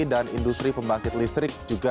dan industri pertanggung jawab